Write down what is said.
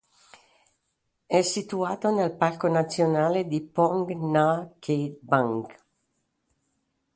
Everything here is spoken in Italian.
È situata nel parco nazionale di Phong Nha-Ke Bang.